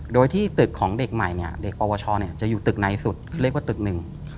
โดยที่ตึกของเด็กใหม่เนี่ยเด็กปวชจะอยู่ตึกในสุดเรียกว่าตึกหนึ่ง